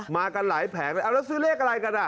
มากันหลายแผงเลยเอาแล้วซื้อเลขอะไรกันอ่ะ